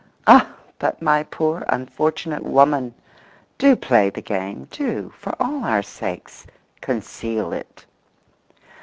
Ah, but my poor, unfortunate woman, do play the game—do, for all our sakes, conceal it!